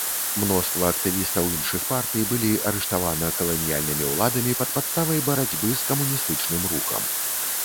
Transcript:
Мноства актывістаў іншых партый былі арыштавана каланіяльнымі ўладамі пад падставай барацьбы з камуністычным рухам.